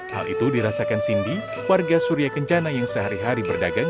hal itu dirasakan cindy warga surya kencana yang sehari hari berdagang